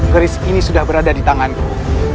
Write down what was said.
keris ini sudah berada di tanganku